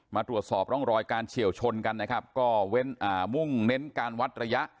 มาตรวจสอบรองรอยการเฉี่ยวชนกันก็มุ่งเน้นการวัดระยะ